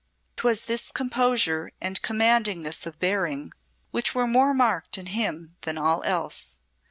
'Twas this composure and commandingness of bearing which were more marked in him than all else.